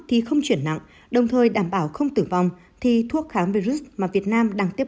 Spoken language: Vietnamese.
thì không chuyển nặng đồng thời đảm bảo không tử vong thì thuốc kháng virus mà việt nam đang tiếp